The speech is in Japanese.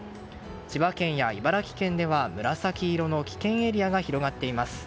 千葉県や茨城県では紫色の危険エリアが広がっています。